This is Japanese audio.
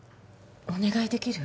お願いできる？